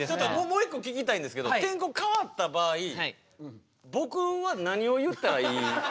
もう一個聞きたいんですけど天候かわった場合僕は何を言ったらいい？